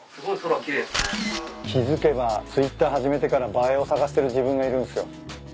気付けばＴｗｉｔｔｅｒ始めてから映えを探してる自分がいるんすよ。